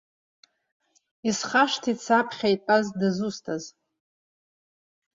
Исхашҭит саԥхьа итәаз дызусҭаз.